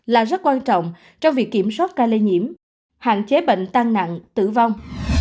là rất quan trọng trong việc kiểm soát ca lây nhiễm hạn chế bệnh tăng nặng tử vong